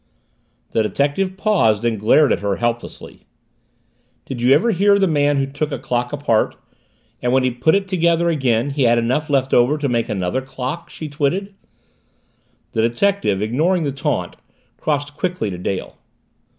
The detective paused and glared at her helplessly. "Did you ever hear of the man who took a clock apart and when he put it together again, he had enough left over to make another clock?" she twitted. The detective, ignoring the taunt, crossed quickly to Dale.